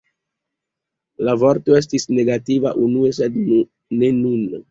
La vorto estis negativa unue, sed ne nun.